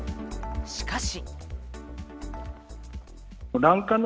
しかし。